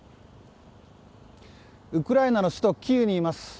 ウクライナの首都キーウにいます。